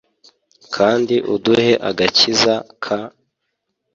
kandi uduhe agakiza k